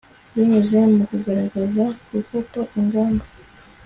binyuze mu kugaragaza gufata ingamba